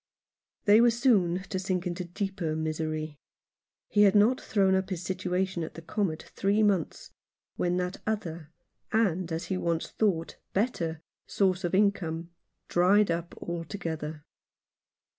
They were soon to sink into a deeper misery. He had not thrown up his situation at the Comet three months, when that other — and, as he once thought, better — source of income dried up altogether.